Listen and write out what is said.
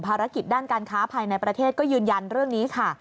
ภารกิจด้านการค้าภายในประเทศก็ยืนยันเรื่องนี้ค่ะ